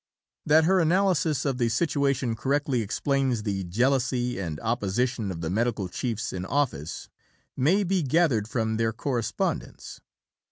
That her analysis of the situation correctly explains the jealousy and opposition of the Medical Chiefs in Office may be gathered from their correspondence.